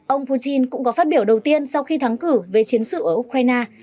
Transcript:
ông putin cũng có phát biểu đầu tiên sau khi thắng cử về chiến sự ở ukraine